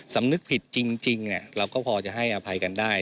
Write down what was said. สำนึกผิดจริงเราก็พอจะให้อภัยกันได้